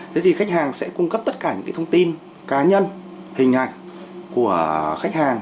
thế thì khách hàng sẽ cung cấp tất cả những cái thông tin cá nhân hình ảnh của khách hàng